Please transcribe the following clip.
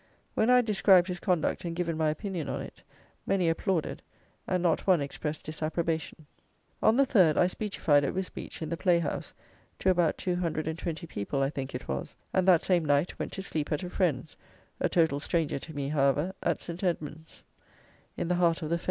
When I had described his conduct, and given my opinion on it, many applauded, and not one expressed disapprobation. On the 3rd, I speechified at Wisbeach, in the playhouse, to about 220 people, I think it was; and that same night, went to sleep at a friend's (a total stranger to me, however) at St. Edmund's, in the heart of the Fens.